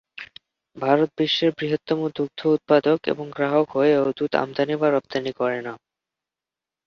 ভারত বিশ্বের বৃহত্তম দুগ্ধ উৎপাদক এবং গ্রাহক হয়েও দুধ আমদানি বা রফতানি করে না।